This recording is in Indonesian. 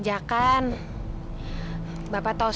jadi kamu harus bekerja di west